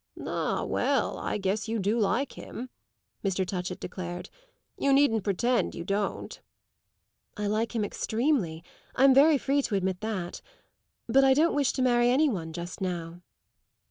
"Ah well, I guess you do like him!" Mr. Touchett declared. "You needn't pretend you don't." "I like him extremely; I'm very free to admit that. But I don't wish to marry any one just now."